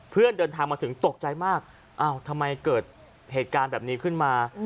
เดินทางมาถึงตกใจมากอ้าวทำไมเกิดเหตุการณ์แบบนี้ขึ้นมา